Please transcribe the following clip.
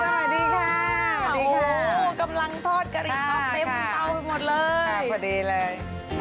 สวัสดีค่ะกำลังทอดการีพักเจ๊ปุ๊กเราไปหมดเลยค่ะพอดีเลย